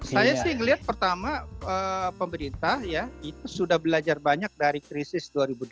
saya sih melihat pertama pemerintah ya itu sudah belajar banyak dari krisis dua ribu delapan belas